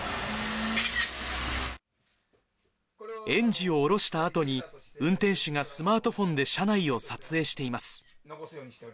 園児を降ろしたあとに、運転手がスマートフォンで車内を撮影しています。